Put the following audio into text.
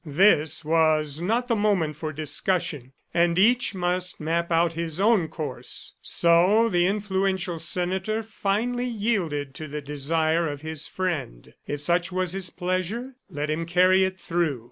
This was not the moment for discussion, and each must map out his own course. So the influential senator finally yielded to the desire of his friend. If such was his pleasure, let him carry it through!